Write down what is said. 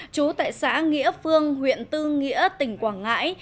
trú tại xã nghĩa phương huyện tư nghĩa tỉnh quảng ngãi